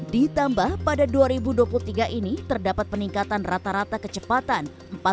ditambah pada dua ribu dua puluh tiga ini terdapat peningkatan rata rata kecepatan